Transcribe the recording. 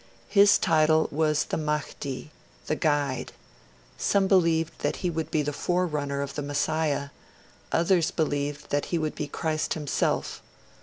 His title was the Mahdi, the guide; some believed that he would be the forerunner of the Messiah; others believed that he would be Christ himself.